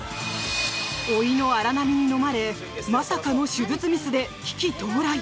老いの荒波にのまれまさかの手術ミスで危機到来。